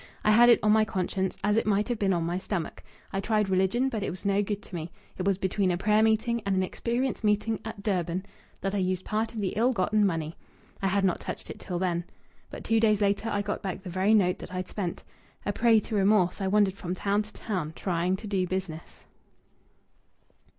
I had it on my conscience, as it might have been on my stomach. I tried religion, but it was no good to me. It was between a prayer meeting and an experience meeting at Durban that I used part of the ill gotten money. I had not touched it till then. But two days later I got back the very note that I'd spent. A prey to remorse, I wandered from town to town, trying to do business.'"